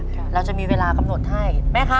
ค่ะเราจะมีเวลากำหนดให้